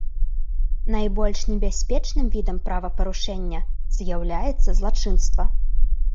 Найбольш небяспечным відам правапарушэння з'яўляецца злачынства.